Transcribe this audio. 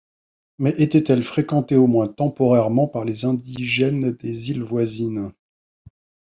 Mais était-elle fréquentée, au moins temporairement, par les indigènes des îles voisines